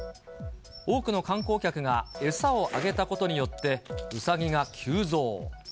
多くの観光客が餌をあげたことによってウサギが急増。